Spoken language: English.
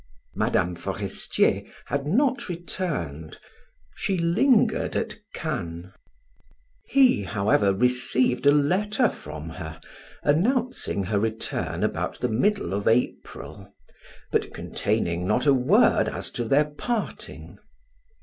Mme. Forestier had not returned; she lingered at Cannes. He, however, received a letter from her announcing her return about the middle of April, but containing not a word as to their parting.